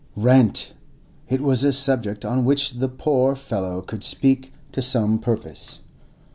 Rent!—it was a subject on which the poor fellow could speak to some purpose.